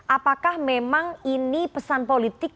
apakah memang ini pesan politik